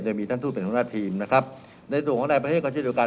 จะมีท่านทูตเป็นหัวหน้าทีมนะครับในส่วนของในประเทศก็เช่นเดียวกัน